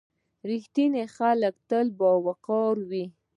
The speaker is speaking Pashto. • رښتیني خلک تل باوقاره وي.